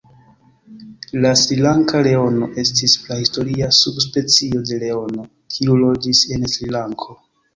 La Srilanka leono estis prahistoria subspecio de leono, kiu loĝis en Srilanko.